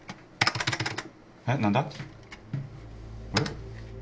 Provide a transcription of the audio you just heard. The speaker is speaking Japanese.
えっ何だ？